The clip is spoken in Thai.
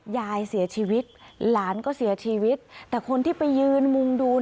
ยายเสียชีวิตหลานก็เสียชีวิตแต่คนที่ไปยืนมุงดู